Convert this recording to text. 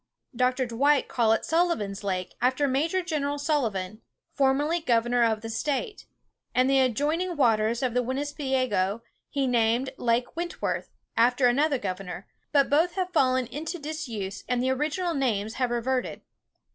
Dr. Dwight called it Sullivan's Lake, after Major General Sullivan, formerly governor of the State; and the adjoining waters of Winipiseogee, he named Lake Wentworth, after another governor; but both have fallen into disuse, and the original names have reverted.